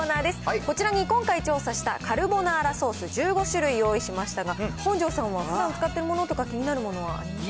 こちらに今回、調査したカルボナーラソース、１５種類用意しましたが、本上さんはふだん使っているものとか、気になるものはありますか。